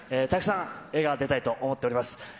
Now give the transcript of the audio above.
たくさん映画出たいと思っております。